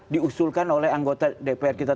diusulkan oleh anggota dpr kita